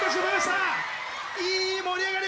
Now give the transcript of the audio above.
いい盛り上がり！